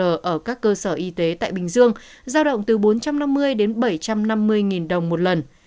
ở các cơ sở y tế tại bình dương giao động từ bốn trăm năm mươi đến bảy trăm năm mươi đồng một lần